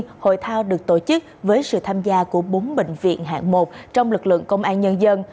hội thao được tổ chức với sự tham gia của bốn bệnh viện hạng một trong lực lượng công an nhân dân